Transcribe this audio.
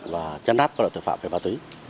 và chăn nắp các loại tử phạm về ma túy